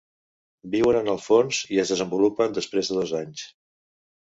Viuen en el fons i es desenvolupen després de dos anys.